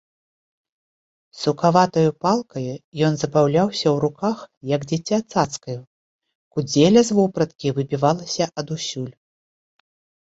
Сукаватаю палкаю ён забаўляўся ў руках, як дзіця цацкаю, кудзеля з вопраткі выбівалася адусюль.